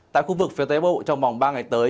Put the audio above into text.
tại khu vực phía tây bộ trong vòng ba ngày tới